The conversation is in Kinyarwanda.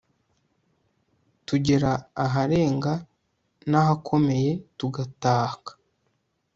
tugera aharenga n'ahakomeye, tugataka